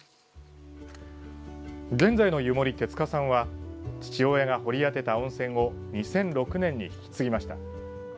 現在の湯守、手塚さんは父親が掘り当てた温泉を２００６年に引き継ぎました。